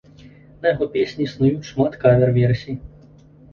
На яго песні існуюць шмат кавер-версій.